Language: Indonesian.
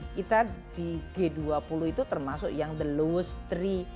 kita di g dua puluh itu termasuk yang the lowest tiga